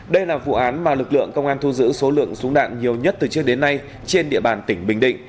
đây là vụ án mà lực lượng công an thu giữ số lượng súng đạn nhiều nhất từ trước đến nay trên địa bàn tỉnh bình định